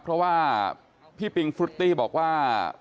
เพราะว่าพี่ปิงฟรุตตี้บอกว่า